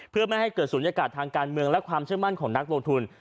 เพื่อไม่ให้เกิดศูนยากาศทางการเมืองและความเชื่อมั่นของนักลงทุน